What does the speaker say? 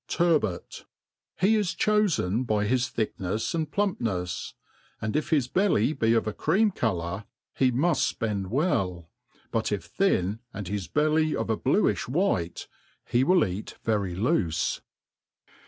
TurboU HE is cfaofen by his thicknefs and plumpnefs ; and if hts belly be of a cream colour, he muft fpend well ; but if thin^ and his belly of a bluifh white, he will eat very loofe.